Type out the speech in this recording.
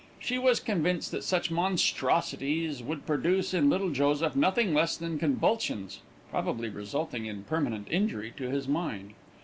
She was convinced that such monstrosities would produce in little Joseph nothing less than convulsions, probably resulting in permanent injury to his mind.